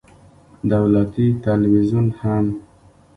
دولتي ټلویزیون هم